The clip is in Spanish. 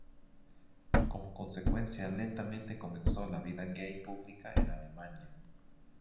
Como consecuencia, lentamente comenzó la vida gay pública en Alemania.